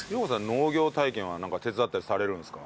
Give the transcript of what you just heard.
農業体験は手伝ったりされるんですか？